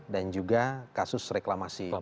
dan juga kasus reklamasi